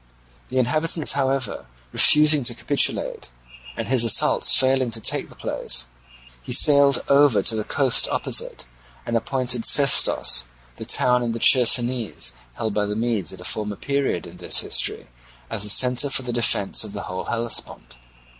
The inhabitants, however, refusing to capitulate, and his assaults failing to take the place, he sailed over to the coast opposite, and appointed Sestos, the town in the Chersonese held by the Medes at a former period in this history, as the centre for the defence of the whole Hellespont.